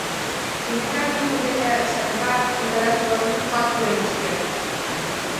Кенета лийме дене Санька иканаште вашмутымат пуэн ыш керт: